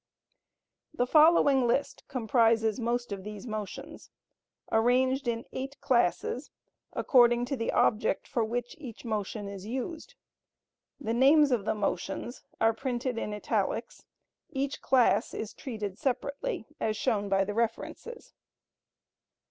The following list comprises most of these motions, arranged in eight classes, according to the object for which each motion is used. [The names of the motions are printed in Italics; each class is treated separately, as shown by the references.